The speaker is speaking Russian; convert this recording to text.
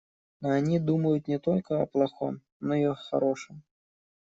Но они думают не только о плохом, но и о хорошем.